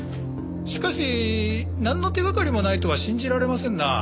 しかしなんの手掛かりもないとは信じられませんな。